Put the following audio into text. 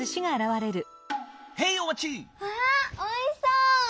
わあおいしそう！